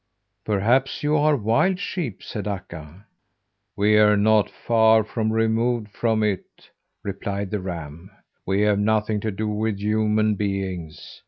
"Perhaps you are wild sheep?" said Akka. "We're not far removed from it," replied the ram. "We have nothing to do with human beings.